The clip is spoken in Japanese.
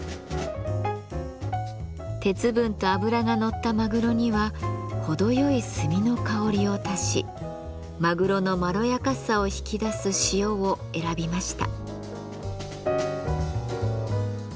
鉄分と脂がのったマグロには程よい炭の香りを足しマグロのまろやかさを引き出す塩を選びました。